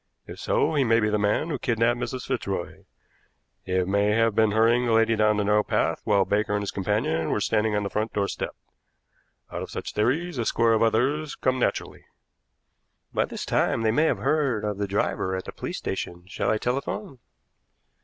If so, he may be the man who kidnapped Mrs. Fitzroy. He may have been hurrying the lady down the narrow path while Baker and his companion were standing on the front door step. Out of such theories a score of others come naturally." "By this time they may have heard of the driver at the police station. Shall I telephone?"